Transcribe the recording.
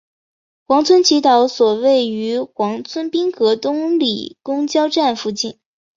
黄村祈祷所位于黄村滨河东里公交站附近。